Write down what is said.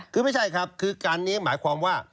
คือไม่ใช่ครับคือการนี้หมายความว่า